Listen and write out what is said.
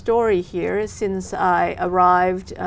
tôi không nghĩ